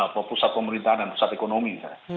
atau pusat pemerintahan dan pusat ekonomi